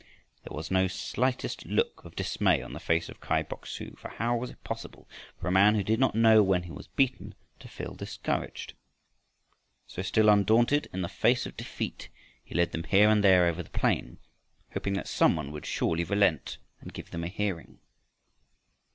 There was no slightest look of dismay on the face of Kai Bok su, for how was it possible for a man who did not know when he was beaten to feel discouraged? So still undaunted in the face of defeat, he led them here and there over the plain, hoping that some one would surely relent and give them a hearing.